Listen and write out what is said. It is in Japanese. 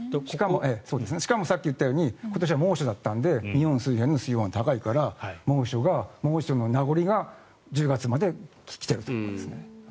しかもさっき言ったように今年は猛暑だったので日本周辺の水温が高かったから猛暑の名残が１０月まで来ているということですね。